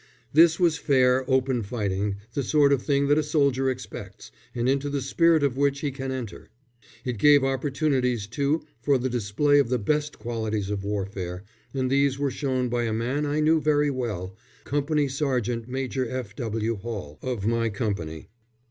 This was fair, open fighting, the sort of thing that a soldier expects, and into the spirit of which he can enter. It gave opportunities, too, for the display of the best qualities of warfare, and these were shown by a man I knew very well, Company Sergeant Major F. W. Hall, of my company.